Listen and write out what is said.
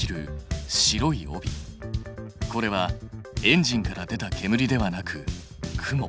これはエンジンから出たけむりではなく雲。